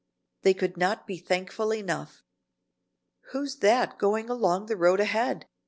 They could not be thankful enough. "Who's that going along the road ahead?"